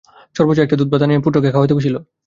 সর্বজয়া একবাটি দুধ-ভাত মাখিয়া পুত্রকে খাওয়াইতে বসিল।